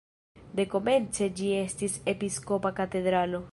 Dekomence ĝi estis episkopa katedralo.